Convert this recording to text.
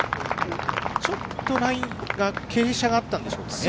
ちょっとラインが、傾斜があったんでしょうかね。